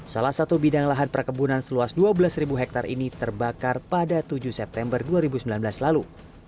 salah satu bidang lahan perkebunan seluas dua belas hektare ini terbakar pada tujuh september dua ribu sembilan belas lalu